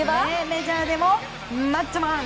メジャーでもマッチョマン！